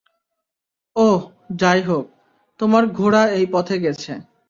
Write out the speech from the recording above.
ওহ, যাই হোক, তোমার ঘোড়া এই পথে গেছে।